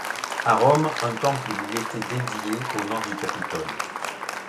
À Rome, un temple lui était dédié au nord du Capitole.